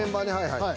はい。